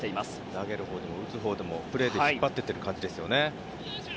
投げるほうでも打つほうでもプレーで引っ張っていっている感じですね。